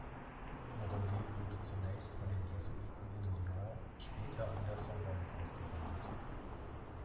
Morellet wurde zunächst von den Jesuiten in Lyon, später an der Sorbonne ausgebildet.